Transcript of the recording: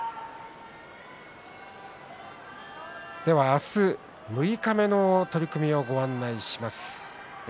明日、六日目の取組をご案内します。